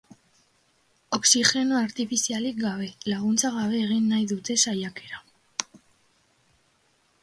Oxigeno artifizialik gabe, laguntza gabe egin nahi dute saiakera.